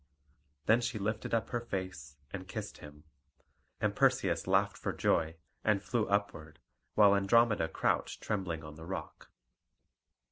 Then she lifted up her face, and kissed him; and Perseus laughed for joy, and flew upward, while Andromeda crouched trembling on the rock.